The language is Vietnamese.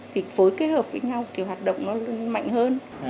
thì phối kết hợp với nhau thì hoạt động nó mạnh hơn